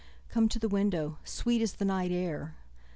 Come to the window, sweet is the night air!